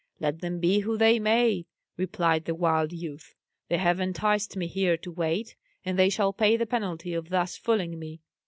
"Let them be who they may," replied the wild youth, "they have enticed me here to wait, and they shall pay the penalty of thus fooling me.